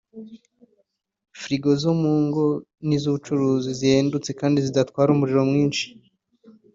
frigo zo mu ngo n’iz’ubucuruzi zihendutse kandi zidatwara umuriro mwinshi